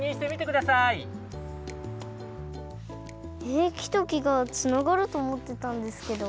えきときがつながるとおもってたんですけど。